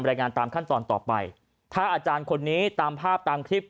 รายงานตามขั้นตอนต่อไปถ้าอาจารย์คนนี้ตามภาพตามคลิป